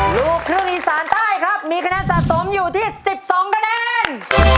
ลูกครึ่งอีสานใต้ครับมีคะแนนสะสมอยู่ที่๑๒คะแนน